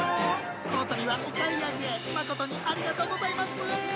この度はお買い上げ誠にありがとうございます。